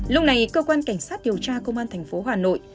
lúc này cơ quan cảnh sát điều tra công an thành phố hà nội